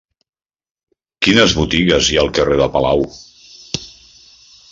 Quines botigues hi ha al carrer de Palau?